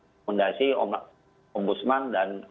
rekomendasi ombudsman dan